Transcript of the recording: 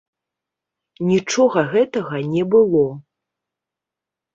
Нічога гэтага не было.